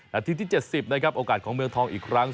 นาทีที่๗๐นะครับโอกาสของเมืองทองอีกครั้ง